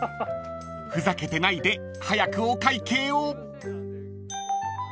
［ふざけてないで早くお会計を］